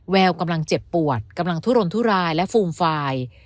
แววกำลังเจ็บปวดกำลังทุรนทุรายและฟูมฟาย